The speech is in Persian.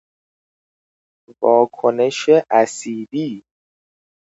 واکنش اسیدی